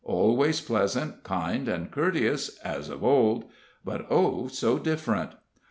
Always pleasant, kind, and courteous, as of old, but oh, so different!